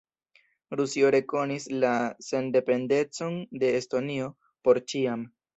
Rusio rekonis la sendependecon de Estonio "por ĉiam".